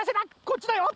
こっちだよ！